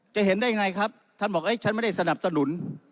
เห็นได้ยังไงครับท่านบอกฉันไม่ได้สนับสนุน